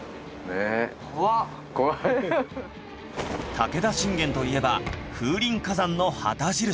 武田信玄といえば風林火山の旗印